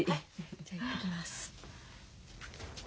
じゃあ行ってきます。